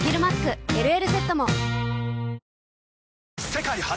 世界初！